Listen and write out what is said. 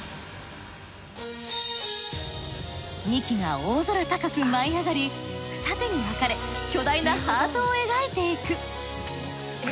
２機が大空高く舞い上がり二手に分かれ巨大なハートを描いていく。